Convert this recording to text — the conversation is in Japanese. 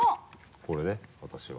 これね私は。